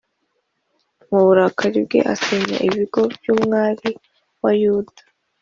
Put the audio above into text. mu burakari bwe asenya ibigo by’umwari wa Yuda;